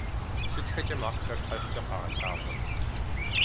ЩытхэкӀэ макъхэр хьэрфкӀэ къагъэлъагъуэ.